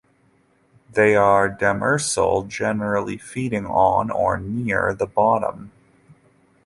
They are demersal, generally feeding on or near the bottom.